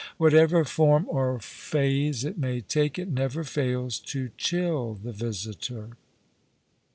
Whatever form or phase it may take, it never fails to chill the visitor.